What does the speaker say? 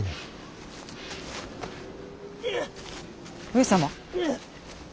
上様。